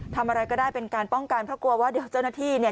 ทำอะไรก็ได้เป็นการป้องกันเพราะกลัวว่าเดี๋ยวเจ้าหน้าที่เนี่ย